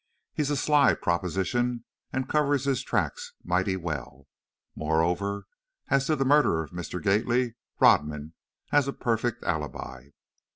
He's a sly proposition, and covers his tracks mighty well. Moreover, as to the murder of Mr. Gately, Rodman has a perfect alibi."